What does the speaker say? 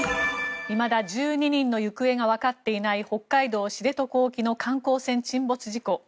いまだ１２人の行方がわかっていない北海道・知床沖の観光船沈没事故。